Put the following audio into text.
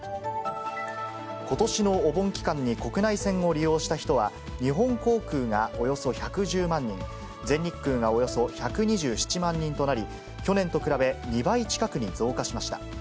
ことしのお盆期間に国内線を利用した人は、日本航空がおよそ１１０万人、全日空がおよそ１２７万人となり、去年と比べ、２倍近くに増加しました。